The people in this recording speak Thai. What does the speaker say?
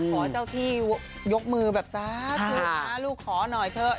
ขอเจ้าที่ยกมือแบบสาธุนะลูกขอหน่อยเถอะ